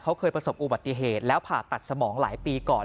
เขาเคยประสบอุบัติเหตุแล้วผ่าตัดสมองหลายปีก่อน